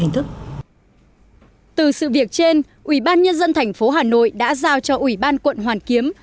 từ sự việc trên ủy ban nhân dân tp hà nội đã giao cho ủy ban quận hoàn kiếm